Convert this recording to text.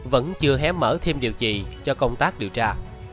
vẫn chưa hé mở thêm điều trị cho công tác điều tra